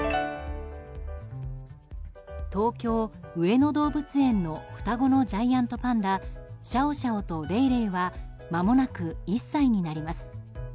東京・上野動物園の双子のジャイアントパンダシャオシャオとレイレイはまもなく１歳になります。